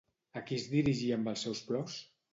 A qui es dirigia amb els seus plors?